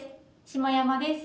下山です。